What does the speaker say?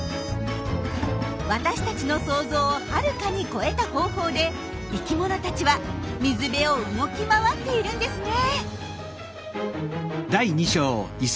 私たちの想像をはるかに超えた方法で生きものたちは水辺を動き回っているんですね。